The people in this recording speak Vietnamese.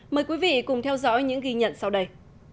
mời quý vị cùng theo dõi những ghi nhận sau đây